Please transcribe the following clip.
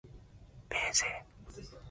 これならできそう